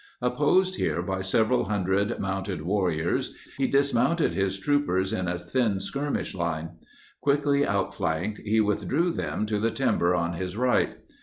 Opposed here by several hundred mounted warriors, he dis mounted his troopers in a thin skirmish line. Quickly outflanked, he withdrew them to the timber on his right.